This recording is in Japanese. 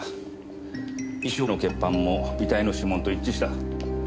遺書の血判も遺体の指紋と一致した。